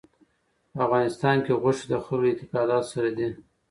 په افغانستان کې غوښې د خلکو له اعتقاداتو سره دي.